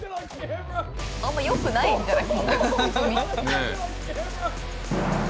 あんまよくないんじゃない？ねえ。